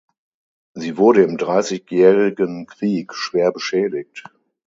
Sie wurde im Dreißigjährigen Krieg schwer beschädigt.